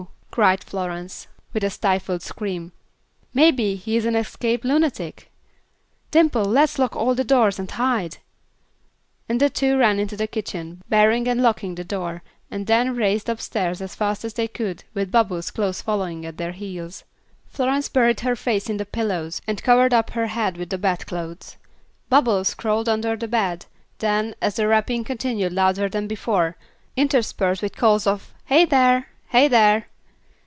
cried Florence, with a stifled scream, "maybe he is an escaped lunatic. Dimple, let's lock all the doors, and hide," and the two ran into the kitchen, barring and locking the door, and then raced upstairs as fast as they could go, with Bubbles close following at their heels. Florence buried her face in the pillows and covered up her head with the bed clothes; Bubbles crawled under the bed, then, as the rapping continued louder than before, interspersed with calls of "Hey, there! Hey, there!"